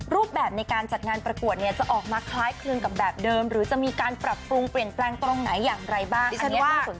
รูปแบบในการจัดงานประกวดเนี่ยจะออกมาคล้ายคลึงกับแบบเดิมหรือจะมีการปรับปรุงเปลี่ยนแปลงตรงไหนอย่างไรบ้าง